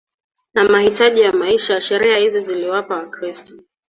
na mahitaji ya maisha Sheria hizi ziliwapa Wakristo